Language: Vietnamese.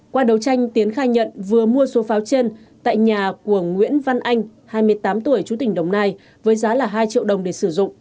qua đấu tranh tiến khai nhận vừa mua số pháo trên tại nhà của nguyễn văn anh hai mươi tám tuổi chú tỉnh đồng nai với giá là hai triệu đồng để sử dụng